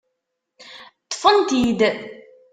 Ṭṭfen-t-id.